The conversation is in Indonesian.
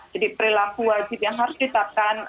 jadi perilaku wajib yang harus ditetapkan